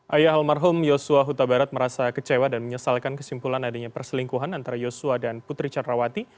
ayah almarhum yosua huta barat merasa kecewa dan menyesalkan kesimpulan adanya perselingkuhan antara yosua dan putri candrawati